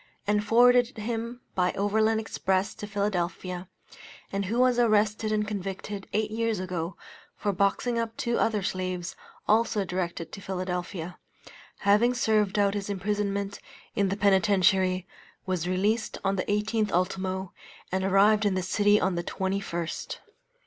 and forwarded him by overland express to Philadelphia, and who was arrested and convicted, eight years ago, for boxing up two other slaves, also directed to Philadelphia, having served out his imprisonment in the Penitentiary, was released on the 18th ultimo, and arrived in this city on the 21st.